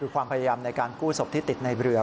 คือความพยายามในการกู้ศพที่ติดในเรือ